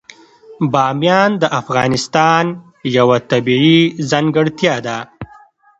بامیان د افغانستان یوه طبیعي ځانګړتیا ده.